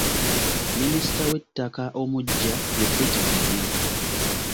Minisita w'ettaka omuggya ye Beti Kamya.